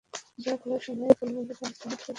Bra খোলার সময় ফুলগুলো তার স্তন হতে ঝড়ে পড়ত।